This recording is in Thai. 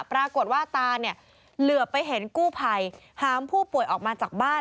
ปรากฏว่าตาเนี่ยเหลือไปเห็นกู้ภัยหามผู้ป่วยออกมาจากบ้าน